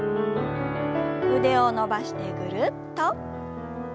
腕を伸ばしてぐるっと。